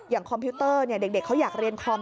คอมพิวเตอร์เด็กเขาอยากเรียนคอม